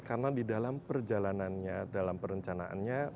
karena di dalam perjalanannya dalam perencanaannya